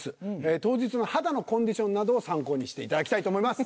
当日の肌のコンディションなどを参考にしていただきたいと思います。